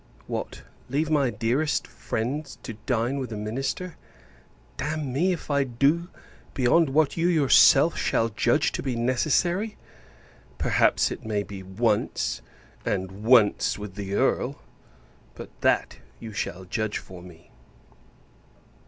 What, leave my dearest friends, to dine with a minister? Damn me, if I do, beyond what you yourself shall judge to be necessary! Perhaps, it may be once; and once with the Earl but that you shall judge for me.